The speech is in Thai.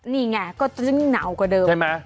นี่ไงก็จะมีหนาวกว่าเดิม